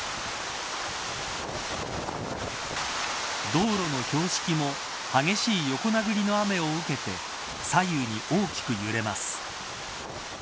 道路の標識も激しい横殴りの雨を受けて左右に大きく揺れます。